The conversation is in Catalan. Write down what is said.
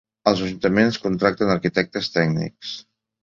Els ajuntaments contracten arquitectes tècnics.